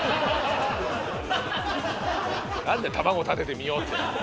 「卵立ててみよう」って。